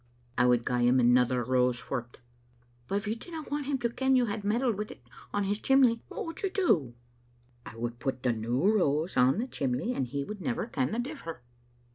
" I would gie him another rose for't. "" But if you didna want him to ken you had meddled wi't on his chimley, what would you do?" " I would put the new rose on the chimley, and he would never ken the differ."